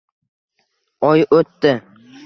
Oy o’tdi.